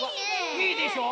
いいでしょう？